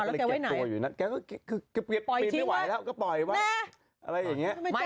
แล้วแกแก็ให้ไหน